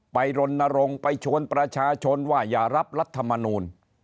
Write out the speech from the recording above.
รณรงค์ไปชวนประชาชนว่าอย่ารับรัฐมนูล